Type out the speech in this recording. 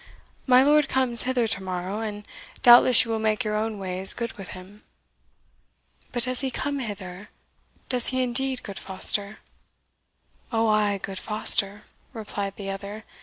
"My lord comes hither to morrow, and doubtless you will make your own ways good with him." "But does he come hither? does he indeed, good Foster?" "Oh, ay, good Foster!" replied the other.